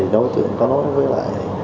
đối tượng có nói với lại